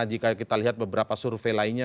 jika kita lihat beberapa survei lainnya